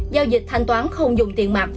giao dịch thanh toán không dùng tiền mặt